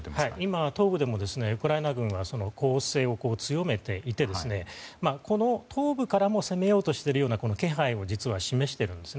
今、東部でもウクライナ軍は攻勢を強めていてこの東部からも攻めようとしている気配を実は示しているんです。